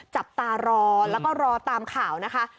จับตารอแล้วก็รอตามข่าวนะคะ